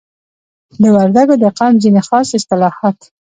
د وردګو د قوم ځینی خاص اصتلاحات